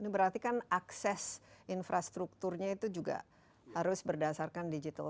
berarti kan akses infrastrukturnya itu juga harus berdasarkan digital